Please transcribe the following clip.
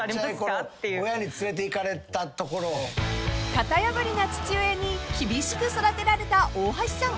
［型破りな父親に厳しく育てられた大橋さん］